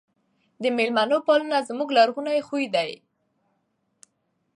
د مېلمنو پالنه زموږ لرغونی خوی دی.